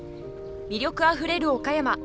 魅力あふれる岡山。